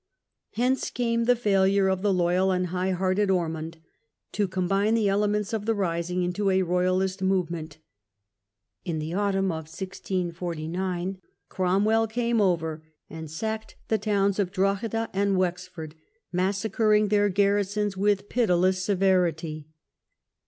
Hence came the failure of the loyal and high hearted Ormond to combine the elements of the rising into a Royalist move ment. In the autumn of 1649 Cromwell came over and sacked the towns of Drogheda and Wexford, massacring their garrisons with pitiless severity.